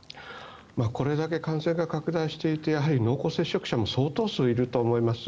これだけ感染が拡大していてやはり濃厚接触者も相当数いると思います。